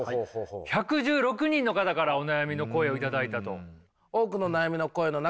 １１６人の方からお悩みの声を頂いたと。